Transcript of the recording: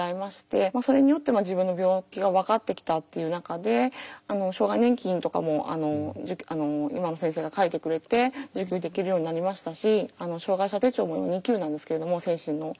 それによって自分の病気が分かってきたっていう中で障害年金とかも今の先生が書いてくれて受給できるようになりましたし障害者手帳２級なんですけども精神の。